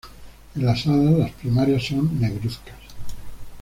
En las alas las primarias son negruzcas.